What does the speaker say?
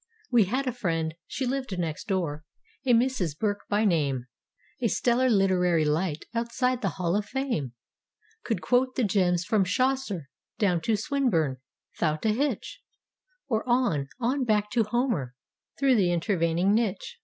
We had a friend—she lived next door—a Mrs. Burke by name. A stellar literary light, outside the Hall of Fame. Could quote the gems from Chaucer down to Swin¬ burne 'thout a hitch; Or, on, on back to Homer, through the intervening niche.